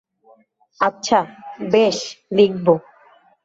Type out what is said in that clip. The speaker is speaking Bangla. আচ্ছা, বেশ, লিখব।